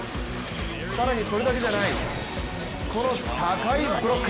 更にそれだけじゃない、この高いブロック。